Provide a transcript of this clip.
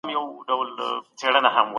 موږ بايد خپل ايمان وساتو.